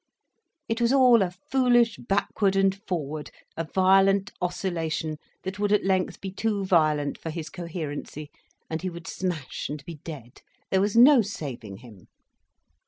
It was all a foolish backward and forward, a violent oscillation that would at length be too violent for his coherency, and he would smash and be dead. There was no saving him.